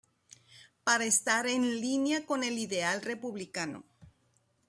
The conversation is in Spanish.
Para estar "en línea con el ideal republicano".